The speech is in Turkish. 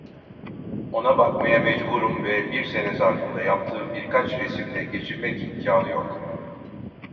Ona bakmaya mecburum ve bir sene zarfında yaptığım birkaç resimle geçinmek imkânı yok…